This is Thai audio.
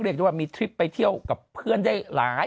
ได้ว่ามีทริปไปเที่ยวกับเพื่อนได้หลาย